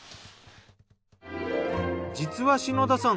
実は篠田さん